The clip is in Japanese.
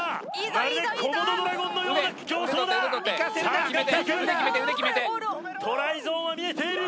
まるでコモドドラゴンのような形相だ腕決めて腕決めてトライゾーンは見えている！